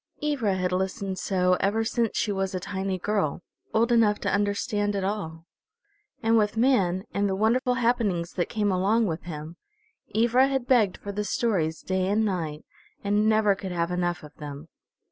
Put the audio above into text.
Ivra had listened so ever since she was a tiny girl, old enough to understand at all. And with man, and the wonderful happenings that came along with him, Ivra had begged for the stories day and night, and never could have enough of them.